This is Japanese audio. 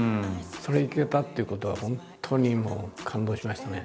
それに行けたっていうことは本当にもう感動しましたね。